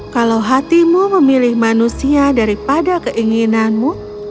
kalau hatimu memilih manusia daripada keinginanmu